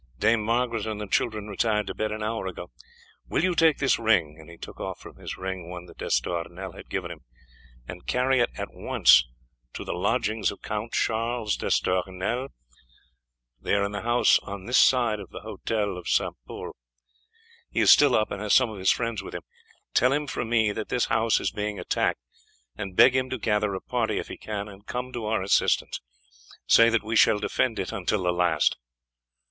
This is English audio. "Dame Margaret and the children retired to bed an hour ago. Will you take this ring," and he took off from his finger one that D'Estournel had given him, "and carry it at once to the lodgings of Count Charles d'Estournel? They are in the house on this side of the Hotel of St. Pol. He is still up, and has some of his friends with him. Tell him from me that this house is being attacked, and beg him to gather a party, if he can, and come to our assistance. Say that we shall defend it until the last."